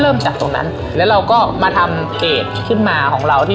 จากตรงนั้นแล้วเราก็มาทำเพจขึ้นมาของเราที่